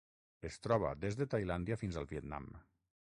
Es troba des de Tailàndia fins al Vietnam.